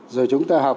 rồi chúng ta học